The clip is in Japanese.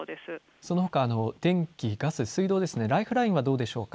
そのほか電気、ガス、水道、ライフラインはいかがでしょうか。